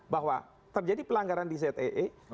bahwa terjadi pelanggaran di zee